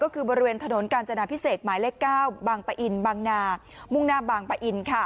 ก็คือบริเวณถนนกาญจนาพิเศษหมายเลข๙บางปะอินบางนามุ่งหน้าบางปะอิน